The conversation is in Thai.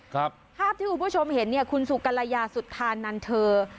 ภาพที่คุณผู้ชมเห็นเนี่ยคุณสุกรยาสุธานันเธอ